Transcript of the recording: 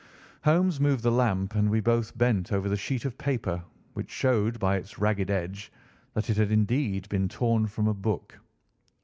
Holmes moved the lamp, and we both bent over the sheet of paper, which showed by its ragged edge that it had indeed been torn from a book.